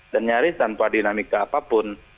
dan nyaris tanpa dinamika apapun